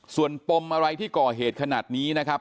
ส่วนปมอะไรที่ก่อเหตุขนาดนี้นะครับ